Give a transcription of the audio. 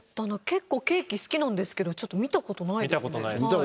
結構ケーキ好きなんですけどちょっと見た事ないですね。